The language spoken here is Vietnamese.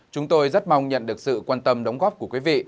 chúng tôi rất mong nhận được sự quan tâm đóng góp của quý vị